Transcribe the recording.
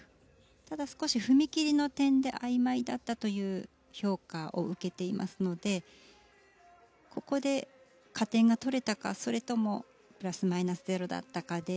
ただ少し踏み切りの点であいまいだったという評価を受けていますのでここで加点が取れたかそれともプラスマイナスゼロだったかで